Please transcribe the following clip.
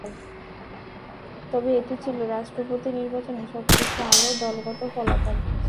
তবে এটি ছিল রাষ্ট্রপতি নির্বাচনে সবচেয়ে ভালো দলগত ফলাফল।